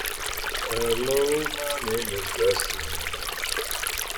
They have been featured in numerous "Star Wars" books and games.